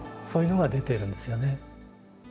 そういうのが出てるんですよね。